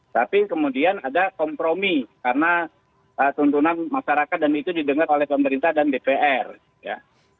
tapi kemudian ada kompromi karena tuntunan masyarakat dan itu didengar oleh pemerintah dan dpr ya